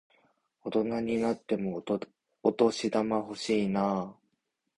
大人になってもお年玉欲しいなぁ。